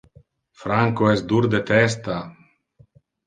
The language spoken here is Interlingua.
Franco es dur de testa.